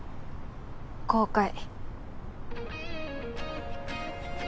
後悔。